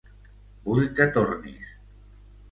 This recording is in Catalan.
Vull que tornis.